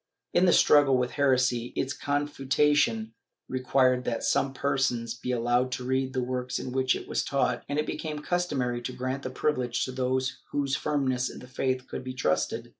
In the struggle with heresy, its confutation required that some persons should be allowed to read the works in which it was taught, and it became customary to grant the privilege to those whose firmness in the faith could be trusted.